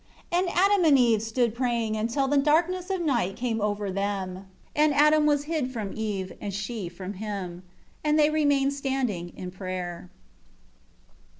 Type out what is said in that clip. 18 And Adam and Eve stood praying until the darkness of night came over them, and Adam was hid from Eve, and she from him. 19 And they remained standing in prayer.